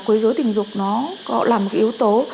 quy dối tình dục nó là một yếu tố